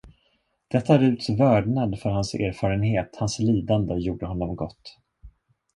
Detta Ruts vördnad för hans erfarenhet, hans lidande, gjorde honom gott.